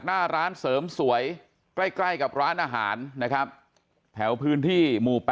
หน้าร้านเสริมสวยใกล้กับร้านอาหารนะครับแถวพื้นที่หมู่๘